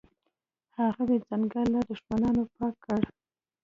هغوی ځنګل له دښمنانو پاک کړ.